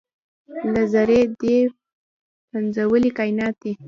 له ذرې دې پنځولي کاینات دي